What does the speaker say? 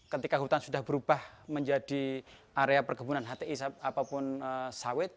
ketika hutan sudah berubah menjadi area perkebunan hti apapun sawit